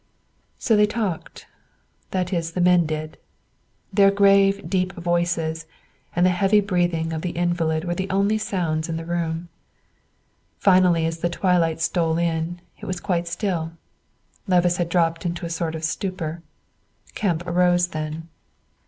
So they talked, that is, the men did. Their grave, deep voices and the heavily breathing of the invalid were the only sounds in the room. Finally, as the twilight stole in, it was quite still. Levice had dropped into a sort of stupor. Kemp arose then.